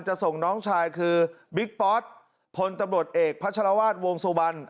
จะส่งน้องชายคือบิ๊กป๊อตพลตำรวจเอกพัชรวาสวงสุวรรณ